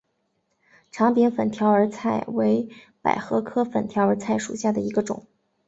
长柄粉条儿菜为百合科粉条儿菜属下的一个种。